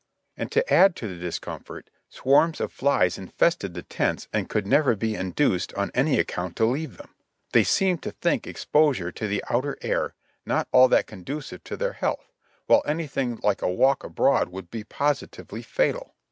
And to add to the discomfort, swarms of flies infested the tents and could never be induced on any account to leave them; they seemed to think exposure to the outer air not at all conducive to their health, while anything like a walk abroad would be posi tively fatal.